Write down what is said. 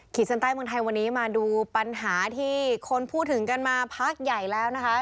เส้นใต้เมืองไทยวันนี้มาดูปัญหาที่คนพูดถึงกันมาพักใหญ่แล้วนะคะ